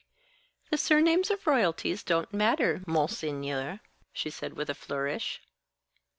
"The surnames of royalties don't matter, Monseigneur," she said, with a flourish.